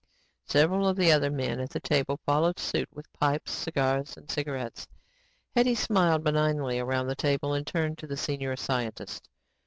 Several of the other men at the table followed suit with pipes, cigars and cigarettes. Hetty smiled benignly around the table and turned to the senior scientist.